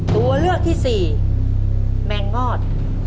ตัวเลือกที่สี่แมงงอด